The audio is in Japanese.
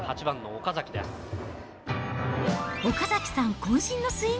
８番の岡崎です。